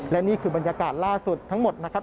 และนี่คือบรรยากาศล่าสุดทั้งหมดนะครับ